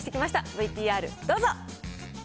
ＶＴＲどうぞ。